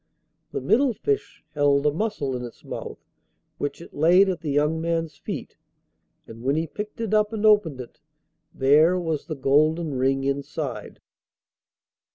The middle fish held a mussel in its mouth, which it laid at the young man's feet, and when he picked it up and opened it, there was the golden ring inside.